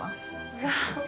うわ。